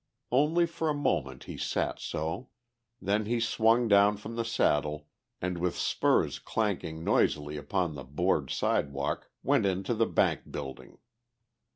Only for a moment he sat so. Then he swung down from the saddle and with spurs clanking noisily upon the board sidewalk went into the bank building.